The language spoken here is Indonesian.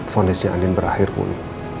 fondasenya andin berakhir pun